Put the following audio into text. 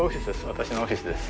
私のオフィスです